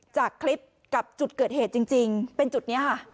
จากคลิปกับจุดเกิดเหตุจริงเป็นจุดนี้ค่ะ